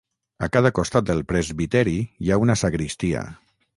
A cada costat del presbiteri hi ha una sagristia.